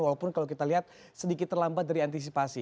walaupun kalau kita lihat sedikit terlambat dari antisipasi